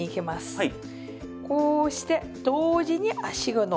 はい。